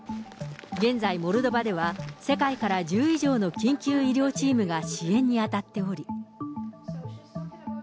現在、モルドバでは世界から１０以上の緊急医療チームが支援に当たっており。